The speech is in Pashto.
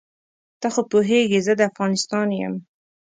ته خو پوهېږې زه د افغانستان یم.